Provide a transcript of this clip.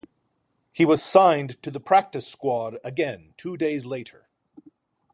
He was signed to the practice squad again two days later.